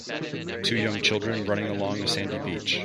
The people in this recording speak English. Two young children running along a sandy beach.